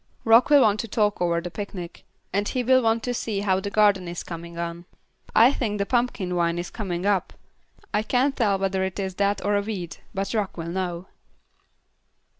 Rock will want to talk over the picnic, and he will want to see how the garden is coming on. I think the pumpkin vine is coming up. I can't tell whether it is that or a weed, but Rock will know."